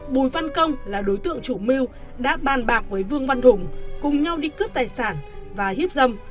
bùi văn công là đối tượng chủ mưu đã bàn bạc với vương văn hùng cùng nhau đi cướp tài sản và hiếp dâm